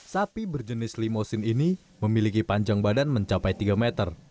sapi berjenis limosin ini memiliki panjang badan mencapai tiga meter